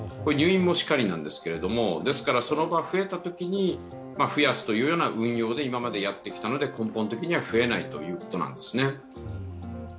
入院もしかりなんですが、増えたときに増やすという運用で今までやってきたので、根本的には増えないということなんですね。